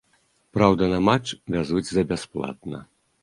Праўда, на матч вязуць за бясплатна.